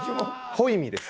ホイミです。